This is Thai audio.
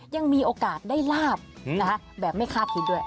ยังมีโอกาสได้ลาบแบบไม่คาดคิดด้วย